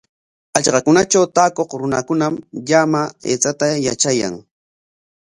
Hallqakunatraw taakuq runakunam llama aychata yatrayan.